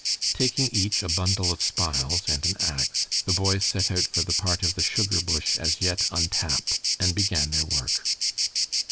Taking each a bundle of spiles and an ax, the boys set out for the part of the sugar bush as yet untapped, and began their work.